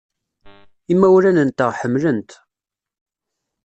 Imawlan-nteɣ ḥemmlen-t.